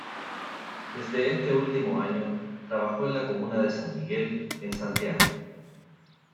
Desde este último año, trabajó en la comuna de San Miguel, en Santiago.